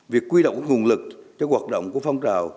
việc quy đọc nguồn lực cho hoạt động của phong trào